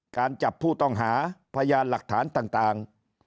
การจับผู้ต้องหาพยานหลักฐานต่าง